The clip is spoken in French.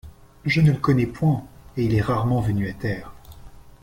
Je ne le connais point, et il est rarement venu à terre.